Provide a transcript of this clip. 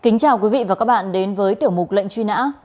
kính chào quý vị và các bạn đến với tiểu mục lệnh truy nã